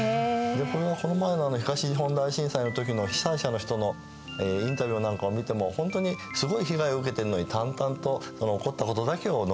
でこの前の東日本大震災の時の被災者の人のインタビューなんかを見ても本当にすごい被害を受けているのに淡々と起こったことだけを述べてますね。